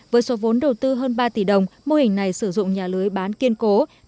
với số vốn đầu tư hơn ba tỷ đồng mô hình này sử dụng nhà lưới bán kiên cố